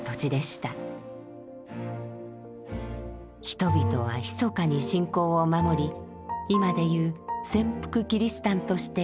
人々はひそかに信仰を守り今でいう潜伏キリシタンとして暮らしました。